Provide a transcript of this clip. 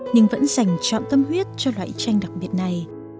nhưng vẫn dành chọn tâm huyết cho loại tranh đặc biệt này